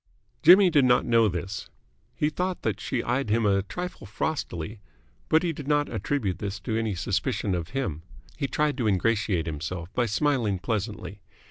Jimmy did not know this. He thought that she eyed him a trifle frostily, but he did not attribute this to any suspicion of him. He tried to ingratiate himself by smiling pleasantly.